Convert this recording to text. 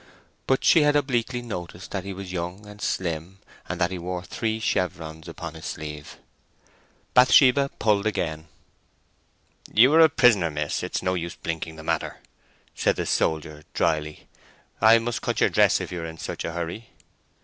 But she had obliquely noticed that he was young and slim, and that he wore three chevrons upon his sleeve. Bathsheba pulled again. "You are a prisoner, miss; it is no use blinking the matter," said the soldier, drily. "I must cut your dress if you are in such a hurry."